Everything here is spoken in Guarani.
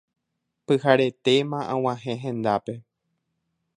Pyharetéma ag̃uahẽ hendápe